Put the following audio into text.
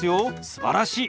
すばらしい！